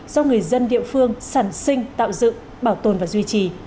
do người dân địa phương sản sinh tạo dựng bảo tồn và duy trì